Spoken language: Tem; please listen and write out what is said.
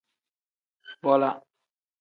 Bola.